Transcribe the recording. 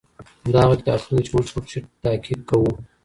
دا هغه کتابتون دئ چي موږ پکي تحقیق کوو.